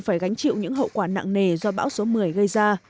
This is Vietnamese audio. phải gánh chịu những hậu quả nặng nề do bão số một mươi gây ra